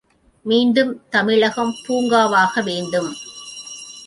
மீண்டும் தமிழகம் பூங்காவாக வேண்டும்.